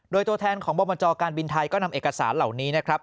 โดยตัวแทนของบจการบินไทยก็นำเอกสารเหล่านี้นะครับ